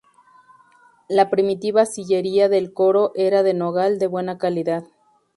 La primitiva sillería del coro era de nogal de buena calidad.